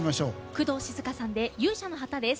工藤静香さんで「勇者の旗」です。